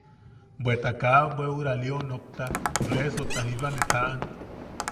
Bweta kaa bweʼura Lio nokta, resota jiba ne taʼan.